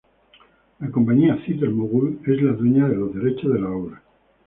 La compañía Theater Mogul es la dueña de los derechos de la obra.